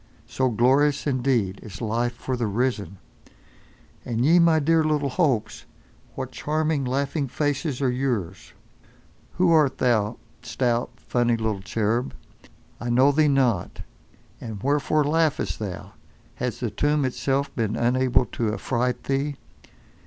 So glorious, indeed, is life for the risen! And ye my dear little Hopes! What charming laughing faces are yours! Who art thou, stout, funny little cherub? I know thee not. And wherefore laughest thou? Has the tomb itself been unable to affright thee?